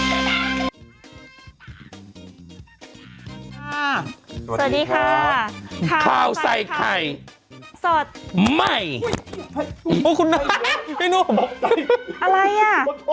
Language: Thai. อ่าสวัสดีค่ะข้าวใส่ไข่สดไม่โอ้ยคุณน้ำอะไรอ่ะ